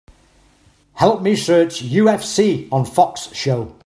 Help me search UFC on Fox show.